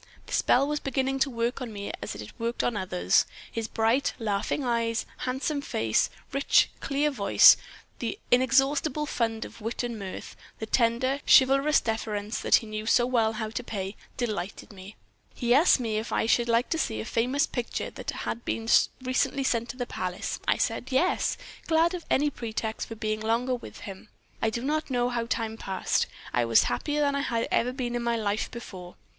The spell was beginning to work on me as it worked on others. His bright, laughing eyes, handsome face, rich, clear voice, the inexhaustible fund of wit and mirth, the tender, chivalrous deference that he knew so well how to pay, delighted me. He asked me if I should like to see a famous picture that had been recently sent to the palace. I said 'Yes,' glad of any pretext for being longer with him. I do not know how time passed. I was happier than I had ever been in my life before.